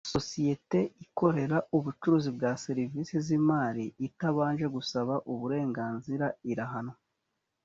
sosiyete ikorera ubucuruzi bwa serivisi z imari itabanje gusaba uburenganzira irahanwa